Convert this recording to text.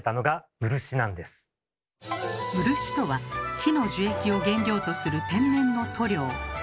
漆とは木の樹液を原料とする天然の塗料。